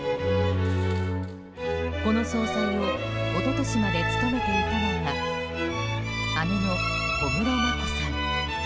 この総裁を一昨年まで務めていたのが姉の小室眞子さん。